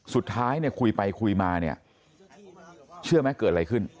สุดท้ายเนี่ยคุยไปคุยมาเนี่ยเชื่อไหมเกิดอะไรขึ้น